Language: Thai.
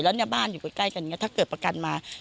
แล้วเนี่ยบ้านอยู่ใกล้กันอย่างนี้ถ้าเกิดประกันมา